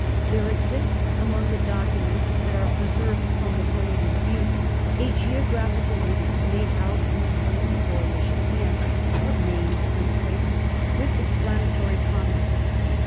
There exists among the documents that are preserved from Napoleon's youth a geographical list made out in his own boyish hand of names and places, with explanatory comments.